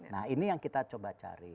nah ini yang kita coba cari